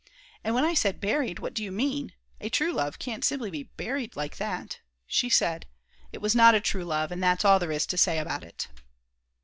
And when I said: "Buried, what do you mean? A true love can't simply be buried like that," she said: "It was not a true love, and that's all there is to say about it."